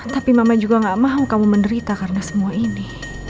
tapi mama juga gak mau kamu menderita karena semua ini